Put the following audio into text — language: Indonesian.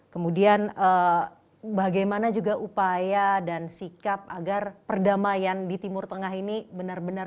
kemudian bagaimana juga upaya dan sikap agar perdamaian di timur tengah ini benar benar